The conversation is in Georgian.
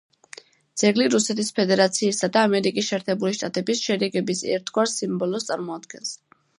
ძეგლი რუსეთის ფედერაციისა და ამერიკის შეერთებული შტატების შერიგების ერთგვარ სიმბოლოს წარმოადგენს.